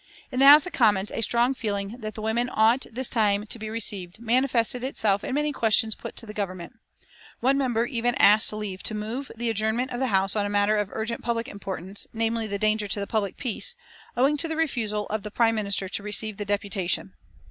In the House of Commons a strong feeling that the women ought this time to be received manifested itself in many questions put to the Government. One member even asked leave to move the adjournment of the House on a matter of urgent public importance, namely the danger to the public peace, owing to the refusal of the Prime Minister to receive the deputation.